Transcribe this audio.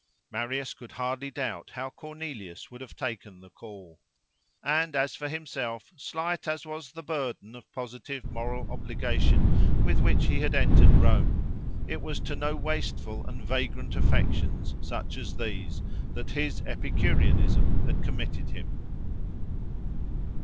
+ Marius could hardly doubt how Cornelius would have taken the call. And as for himself, slight as was the burden of positive moral obligation with which he had entered Rome, it was to no wasteful and vagrant affections, such as these, that his Epicureanism had committed him.